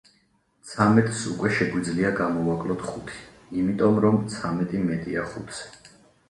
ცამეტს უკვე შეგვიძლია გამოვაკლოთ ხუთი, იმიტომ, რომ ცამეტი მეტია ხუთზე.